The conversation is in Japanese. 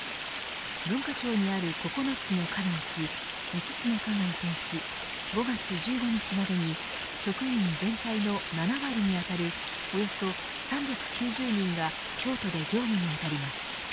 文化庁にある９つの課のうち５つの課が移転し５月１５日までに職員全体の７割に当たるおよそ３９０人が京都で業務にあたります。